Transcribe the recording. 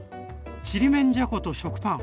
ちりめんじゃこと食パン。